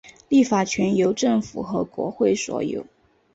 立法权由政府和国会所有。